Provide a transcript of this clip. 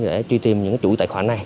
để truy tìm những chủ tài khoản này